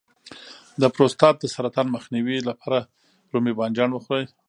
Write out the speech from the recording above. د پروستات د سرطان مخنیوي لپاره رومي بانجان وخورئ